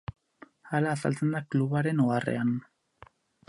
Hala azaltzen da klubaren oharrean.